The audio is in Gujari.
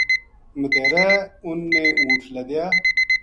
مدیہرے انھ نے اونٹھ لدیا